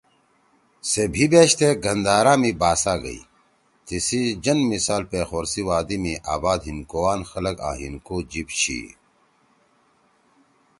سے بھی بیشتے گندھارا می باسا گئی۔ تیِسی جن مثال پیخور سی وادی می آباد ہندکوان خلگ آں ہندکو جیِب چھی۔